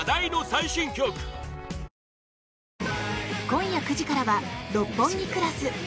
今夜９時からは「六本木クラス」。